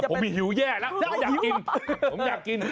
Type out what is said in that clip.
ผมมีหิวแย่แล้วผมอยากกิน